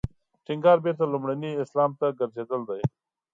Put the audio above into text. ټینګار بېرته لومړني اسلام ته ګرځېدل دی.